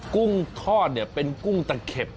กุ้งทอดเป็นกุ้งตะเข็บ